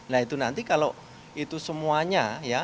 nah itu nanti kalau itu semuanya ya